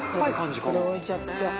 これ置いちゃってさ。